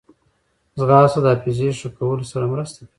ځغاسته د حافظې ښه کولو سره مرسته کوي